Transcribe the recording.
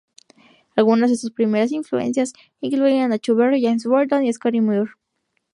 Algunas de sus primeras influencias incluían a Chuck Berry, James Burton y Scotty Moore.